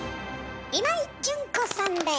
今井純子さんです。